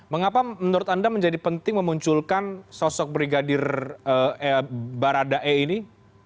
mengapa menurut anda menjadi penting memunculkan sosok brigadir baradae ini